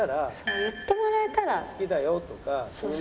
言ってもらえたら。